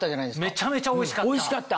めちゃめちゃおいしかった。